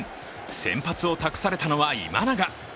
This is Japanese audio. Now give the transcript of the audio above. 先発を託されたのは今永。